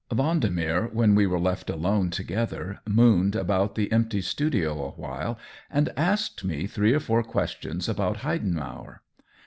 Vendemer, when we were left alone to gether, mooned about the empty studio a while and asked me three or four questions about Heidenmauer.